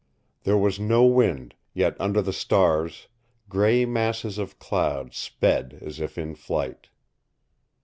There was no wind, yet under the stars gray masses of cloud sped as if in flight.